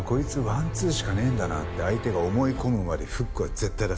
ワンツーしかねえんだなって相手が思い込むまでフックは絶対出すな。